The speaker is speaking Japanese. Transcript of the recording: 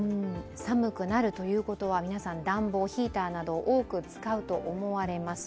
寒くなるということは皆さん暖房、ヒーターなどを多く使うと思われます。